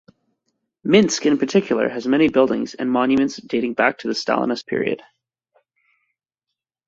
Minsk in particular has many buildings and monuments dating back to the Stalinist period.